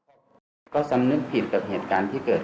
และมีความเชื่อมั่นในตัวเราด้วย